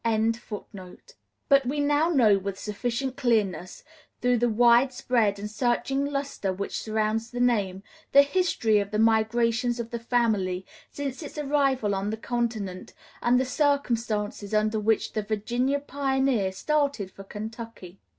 ] But we now know, with sufficient clearness, through the wide spread and searching luster which surrounds the name, the history of the migrations of the family since its arrival on this continent, and the circumstances under which the Virginia pioneer started for Kentucky.